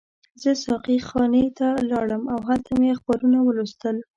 زه ساقي خانې ته لاړم او هلته مې اخبارونه ولوستل.